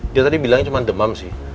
dia tadi bilangnya cuma demam sih